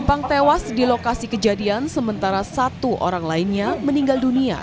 penumpang tewas di lokasi kejadian sementara satu orang lainnya meninggal dunia